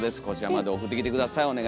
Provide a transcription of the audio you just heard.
こちらまで送ってきて下さい。